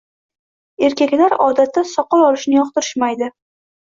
Erkaklar odatda soqol olishni yoqtirishmaydi.